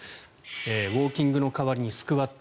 ウォーキングの代わりにスクワット。